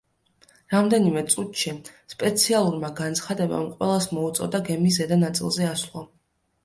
რამდენიმე წუთში, სპეციალურმა განცხადებამ ყველას მოუწოდა გემის ზედა ნაწილზე ასვლა.